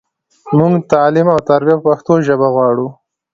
مونږ تعلیم او تربیه په پښتو ژبه غواړو